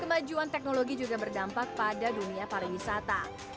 kemajuan teknologi juga berdampak pada dunia pariwisata